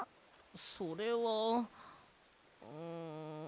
それはうん。